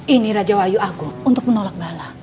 ini raja wahyu agung untuk menolak bala